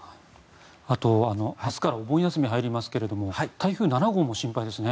あと、明日からお盆休みに入りますけども台風７号も心配ですね。